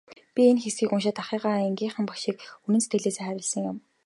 Би энэ хэсгийг уншаад ахыгаа, ангийнхаа багшийг үнэн сэтгэлээсээ хайрласан юм.